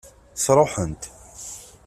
Sṛuḥent.